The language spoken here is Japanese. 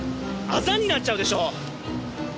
アザになっちゃうでしょ！